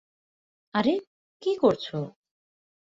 আরে, কী করছো?